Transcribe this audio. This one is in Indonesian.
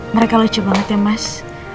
mereka lucu banget ya mas